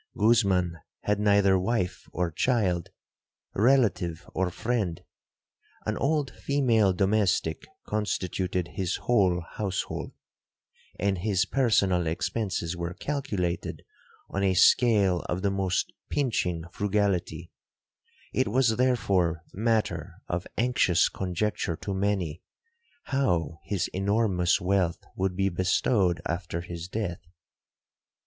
'Guzman had neither wife or child,—relative or friend. An old female domestic constituted his whole household, and his personal expences were calculated on a scale of the most pinching frugality; it was therefore matter of anxious conjecture to many, how his enormous wealth would be bestowed after his death.